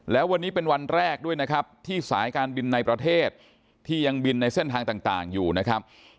แล้ววันนี้เป็นวันแรกด้วยนะครับที่สายการบินในประเทศที่ยังบินในเส้นทางต่างอยู่นะครับ